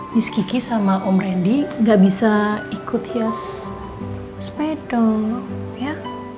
misk kiki sama om randy gak bisa ikut hias sepeda ya